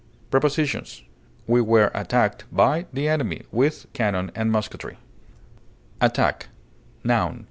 Prepositions: We were attacked by the enemy with cannon and musketry. ATTACK, _n.